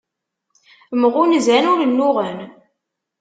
Mɣunzan ur nnuɣen.